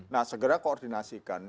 nah segera koordinasikan